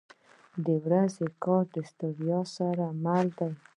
• د ورځې کار د ستړیا سره مل دی.